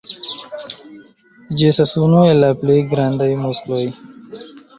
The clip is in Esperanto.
Ĝi estas unu el la plej grandaj muskoloj.